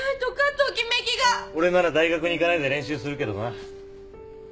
俺なら大学に行かないで練習するけどな。